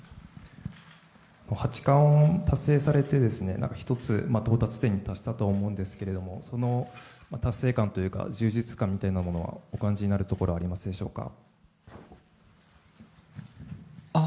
八冠達成されて１つ到達点に達したとは思うんですけれども達成感というか充実感みたいなものはお感じになるところはありますでしょうか。